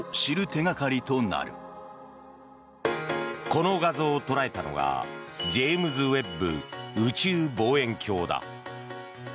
この画像を捉えたのがジェームズ・ウェッブ宇宙望遠鏡だ。